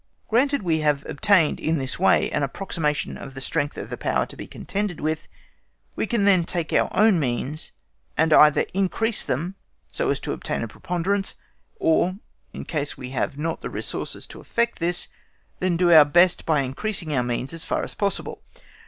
Granted we have obtained in this way an approximation to the strength of the power to be contended with, we can then take of our own means, and either increase them so as to obtain a preponderance, or, in case we have not the resources to effect this, then do our best by increasing our means as far as possible.